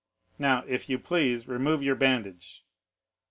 Now, if you please, remove your bandage."